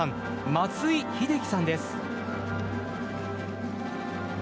松井秀喜さんです。